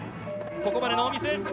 ここまでノーミス。